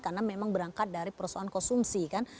karena memang berangkat dari perusahaan konsumsi kan